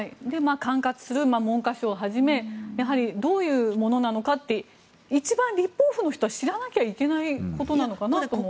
管轄する文科省をはじめどういうものなのかって一番、立法府の人は知らなければいけないことなのかなとも。